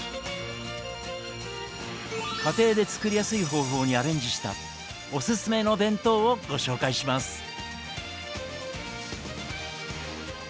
家庭で作りやすい方法にアレンジしたおすすめの弁当をご紹介します。